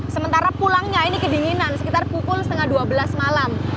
sementara pulangnya ini kedinginan sekitar pukul setengah dua belas malam